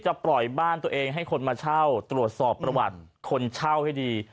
ปล่อยบ้านตัวเองให้คนมาเช่าตรวจสอบประวัติคนเช่าให้ดี